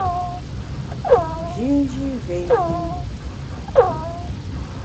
Njinji mvé nyü.